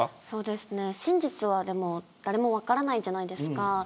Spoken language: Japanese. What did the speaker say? そうですね、真実は誰も分からないじゃないですか。